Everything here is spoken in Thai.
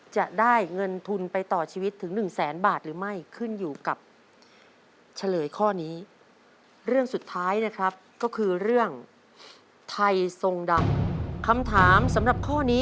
จะได้เงินทุนไปต่อชีวิตทั้ง๑แสนบาทหรือไม่